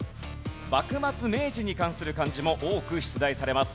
幕末・明治に関する漢字も多く出題されます。